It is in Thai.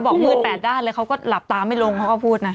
เขาก็บอกมืดแปดด้านแล้วเขาก็หลับตาไม่ลงเขาก็พูดนะ